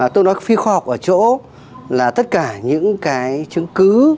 tôi nói phi khoa học ở chỗ là tất cả những cái chứng cứ